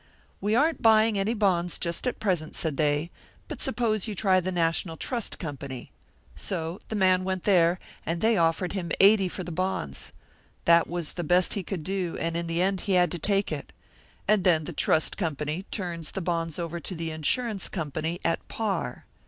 'We aren't buying any bonds just at present,' said they, 'but suppose you try the National Trust Company.' So the man went there, and they offered him eighty for the bonds. That was the best he could do, and in the end he had to take it. And then the trust company turns the bonds over to the insurance company at par.